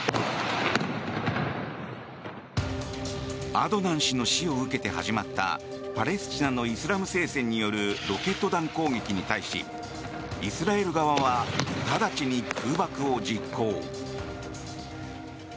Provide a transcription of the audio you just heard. アドナン氏の死を受けて始まったパレスチナのイスラム聖戦によるロケット弾攻撃に対しイスラエル側は直ちに空爆を実行。